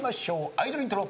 アイドルイントロ。